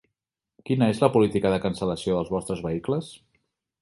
Quina és la política de cancel·lació dels vostres vehicles?